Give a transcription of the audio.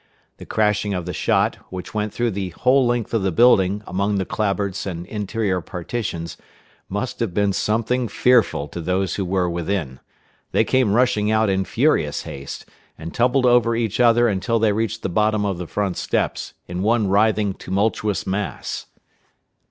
The crashing of the shot, which went through the whole length of the building among the clapboards and interior partitions, must have been something fearful to those who were within. They came rushing out in furious haste, and tumbled over each other until they reached the bottom of the front steps, in one writhing, tumultuous mass.